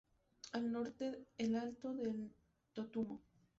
Al norte el Alto del Totumo.